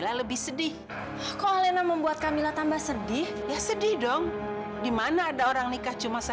alena makin berani menentang ibu